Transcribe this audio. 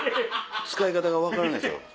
使い方が分からないんですよ